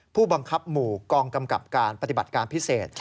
ผู้บังคับหมู่กองกำกับการปฏิบัติการพิเศษ